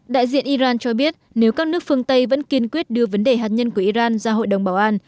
đại diện iran cho biết nếu các nước phương tây vẫn kiên quyết đưa vấn đề hạt nhân của iran ra hội đồng bảo an